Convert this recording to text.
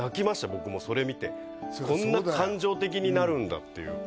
僕もそれ見てこんな感情的になるんだっていう